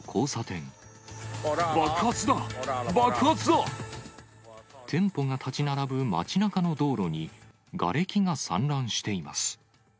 店舗が建ち並ぶ街なかの道路にがれきが散乱しています。